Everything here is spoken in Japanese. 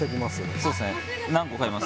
そうですね何個買います？